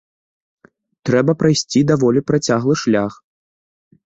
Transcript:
Трэба прайсці даволі працяглы шлях.